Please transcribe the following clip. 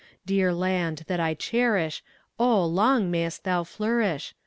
Dear land, that I cherish, O, long may'st thou flourish!